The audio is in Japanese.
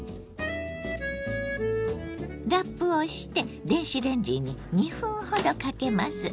ラップをして電子レンジに２分ほどかけます。